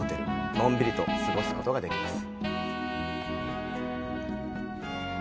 のんびりと過ごすことができます。